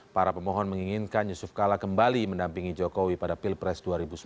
para pemohon menginginkan yusuf kala kembali mendampingi jokowi pada pilpres dua ribu sembilan belas